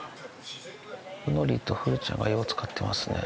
のりと風ちゃんがよう使ってますね。